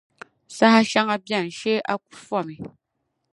Saha shɛŋa bɛni shɛɛ aku fɔmi.